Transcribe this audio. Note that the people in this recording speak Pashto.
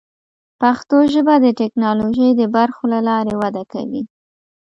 پښتو ژبه د ټکنالوژۍ د برخو له لارې وده کوي.